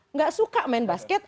nggak suka main basket